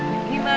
makasih ya nek